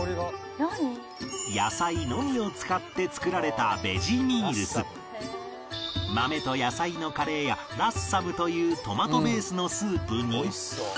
野菜のみを使って作られた豆と野菜のカレーやラッサムというトマトベースのスープに